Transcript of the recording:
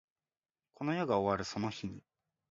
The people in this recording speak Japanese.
この世が終わるその日に